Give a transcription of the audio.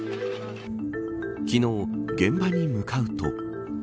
昨日、現場に向かうと。